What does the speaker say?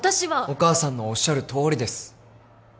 お母さんのおっしゃるとおりです。